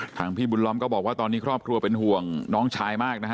พี่บุญล้อมก็บอกว่าตอนนี้ครอบครัวเป็นห่วงน้องชายมากนะฮะ